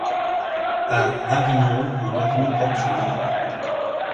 À Avignon, une avenue porte son nom.